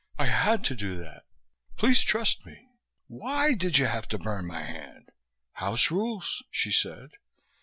"I had to do that. Please trust me." "Why did you have to burn my hand?" "House rules," she said.